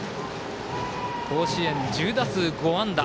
甲子園１０打数５安打。